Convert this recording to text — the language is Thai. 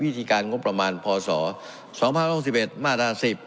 วิธีการงบปรมาณพศ๒๙๖๑มศ๑๐ย